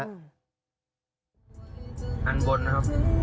อันบนนะครับ